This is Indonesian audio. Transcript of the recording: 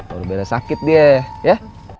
baru beres sakit dia ya